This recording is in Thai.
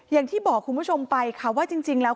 อย่างที่บอกคุณผู้ชมไปค่ะว่าจริงแล้ว